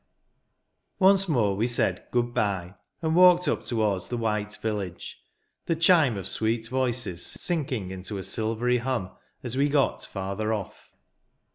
Once more we said " Good bye," and walked up towards the white village; the chime of sweet voices sinking into a silvery hum as we got farther off.